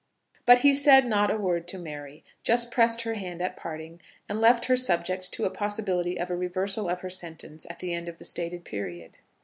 But he said not a word to Mary, just pressed her hand at parting, and left her subject to a possibility of a reversal of her sentence at the end of the stated period.